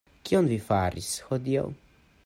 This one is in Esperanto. Kion vi faris hodiaŭ?